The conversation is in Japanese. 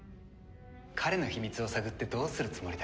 彼の秘密を探ってどうするつもりだ？